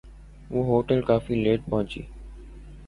وہ ہوٹل کافی لیٹ پہنچی